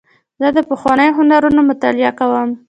زه د پخوانیو هنرونو مطالعه کوم.